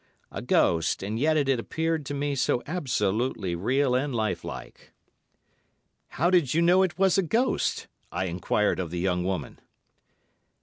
A ghost, and yet it had appeared to me so absolutely real and life like." "How did you know it was a ghost?" I enquired of the young woman.